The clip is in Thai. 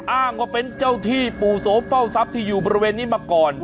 อ้างว่าเป็นเจ้าที่ปู่โสมเฝ้าทรัพย์ที่อยู่บริเวณนี้มาก่อน